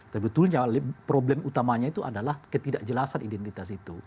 tentu saja problem utamanya itu adalah ketidakjelasan identitas itu